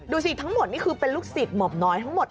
ทั้งหมดนี่คือเป็นลูกศิษย์หม่อมน้อยทั้งหมด